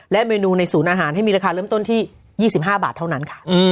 เมนูในศูนย์อาหารให้มีราคาเริ่มต้นที่๒๕บาทเท่านั้นค่ะ